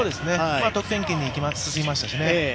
得点圏に進みましたしね。